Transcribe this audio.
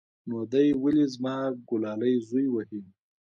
نو دى ولې زما گلالى زوى وهي.